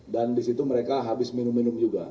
dan di situ mereka habis minum minum juga